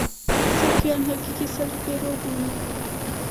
سلفیان حقیقي سلف پیرو بولي.